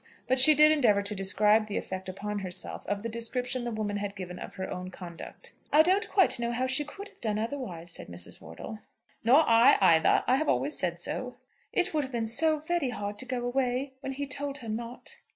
But she did endeavour to describe the effect upon herself of the description the woman had given her of her own conduct. "I don't quite know how she could have done otherwise," said Mrs. Wortle. "Nor I either; I have always said so." "It would have been so very hard to go away, when he told her not."